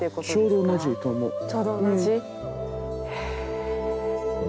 ちょうど同じと思う。